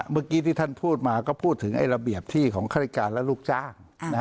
เมื่อกี้ที่ท่านพูดมาก็พูดถึงระเบียบที่ของฆาติการและลูกจ้าง